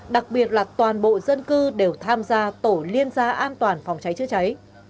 đặc biệt là toàn bộ dân cư đều tham gia tổ liên gia an toàn phòng cháy chữa cháy